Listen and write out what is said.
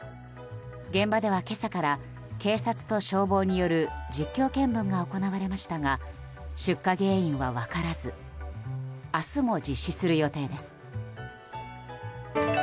現場では今朝から警察と消防による実況見分が行われましたが出火原因は分からず明日も実施する予定です。